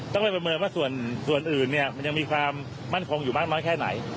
ต้องไปประเมินว่าส่วนอื่นเนี่ยมันยังมีความมั่นคงอยู่มากน้อยแค่ไหน